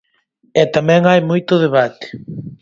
E tamén hai moito debate.